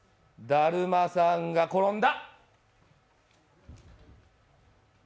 だるまさんが転んだ。